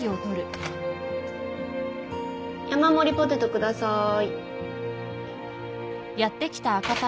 山盛りポテト下さい。